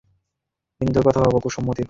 বিন্দুর কথা ভাবে, কুসুম ও মতির কথা ভাবে।